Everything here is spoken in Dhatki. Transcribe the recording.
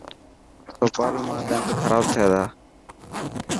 سوپاري مان ڏنت خراب ٿي تا.